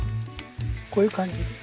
こういう感じ。